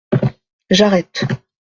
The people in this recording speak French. J’arrête.